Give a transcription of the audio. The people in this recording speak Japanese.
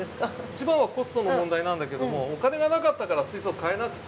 一番はコストの問題なんだけどもお金がなかったから水槽買えなくて。